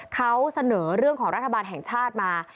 เขาเสนอเรื่องของรัฐบาลแห่งชาติมา